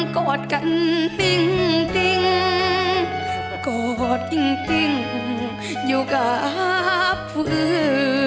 กอดกันติ้งติ้งกอดติ้งติ้งอยู่กับ